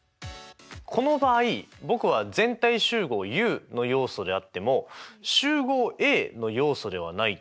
この場合僕は全体集合Ｕの要素であっても集合Ａの要素ではないってことですよね。